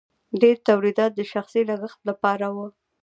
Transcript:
ډیر تولیدات د شخصي لګښت لپاره وو.